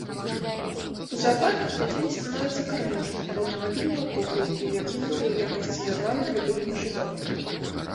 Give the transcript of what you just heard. У заапарках такімі становяцца кармушкі, аўтамабільныя покрыўкі, пакінутыя ў якасці забавы для буйных жывёл.